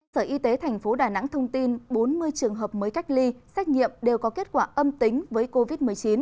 sở y tế tp đà nẵng thông tin bốn mươi trường hợp mới cách ly xét nghiệm đều có kết quả âm tính với covid một mươi chín